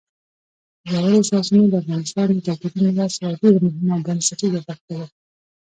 ژورې سرچینې د افغانستان د کلتوري میراث یوه ډېره مهمه او بنسټیزه برخه ده.